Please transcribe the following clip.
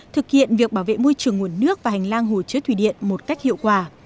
thực hiện việc bảo vệ môi trường nguồn nước và hành lang hồ chứa thủy điện một cách hiệu quả